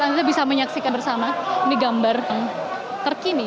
anda bisa menyaksikan bersama ini gambar terkini